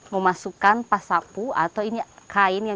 memasukkan pasapun yang diperlukan untuk mencari benang